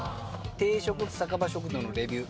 「定食酒場食堂」のレビュー。